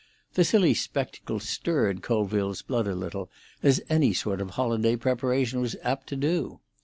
The silly spectacle stirred Colville's blood a little, as any sort of holiday preparation was apt to do.